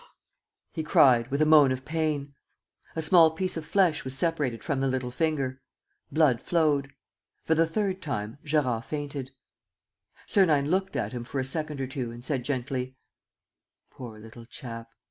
he cried, with a moan of pain. A small piece of flesh was separated from the little finger. Blood flowed. For the third time, Gérard fainted. Sernine looked at him for a second or two and said, gently: "Poor little chap!